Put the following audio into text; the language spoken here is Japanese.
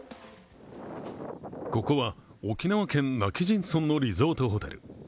ここは沖縄県今帰仁村のリゾートホテル。